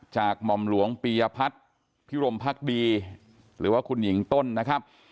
หม่อมหลวงปียพัฒน์พิรมพักดีหรือว่าคุณหญิงต้นนะครับ